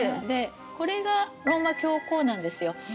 でこれがローマ教皇なんですよ。